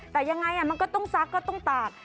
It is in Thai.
แต่ยังไงมันก็ต้องซักก็ต้องตาก